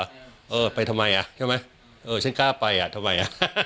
เออไปทำไมอ่ะใช่ไหมเออฉันกล้าไปอ่ะทำไม